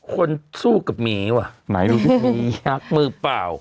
คนสู้กับหมีว่ะไหนดูดิยักษ์มือเปล่า